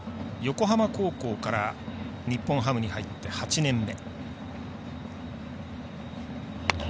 横浜高校から日本ハムに入って８年目。